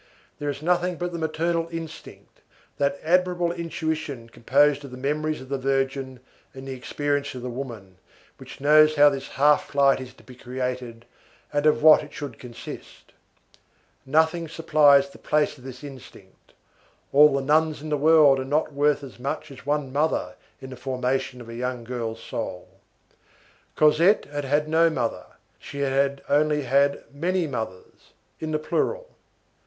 There is nothing but the maternal instinct, that admirable intuition composed of the memories of the virgin and the experience of the woman, which knows how this half light is to be created and of what it should consist. Nothing supplies the place of this instinct. All the nuns in the world are not worth as much as one mother in the formation of a young girl's soul. Cosette had had no mother. She had only had many mothers, in the plural.